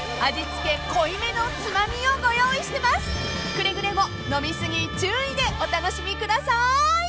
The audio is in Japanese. ［くれぐれも飲み過ぎ注意でお楽しみください！］